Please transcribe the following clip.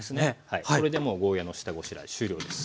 これでもうゴーヤーの下ごしらえ終了です。